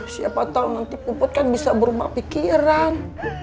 siapa tahu nanti puput kan bisa berubah pikiran